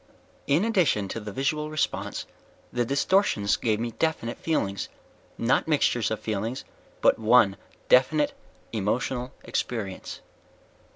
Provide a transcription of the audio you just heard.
"_ "In addition to the visual response, the distortions gave me definite feelings. Not mixtures of feelings, but one definite emotional experience."